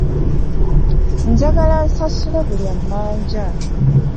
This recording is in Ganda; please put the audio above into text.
Njagala nsasule buli amanja.